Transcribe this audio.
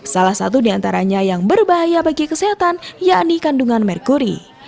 salah satu diantaranya yang berbahaya bagi kesehatan yakni kandungan merkuri